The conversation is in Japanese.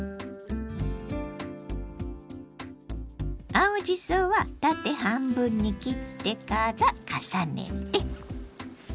青じそは縦半分に切ってから重ねて。